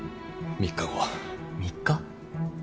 ３日？